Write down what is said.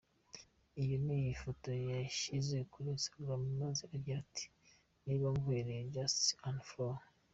Iyo ni yo foto yashyize kuri Instagram maze agira ati: Niba nguheneye just Unfollow.